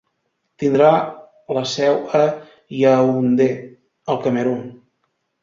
Tindrà la seu a Yaoundé, al Camerun.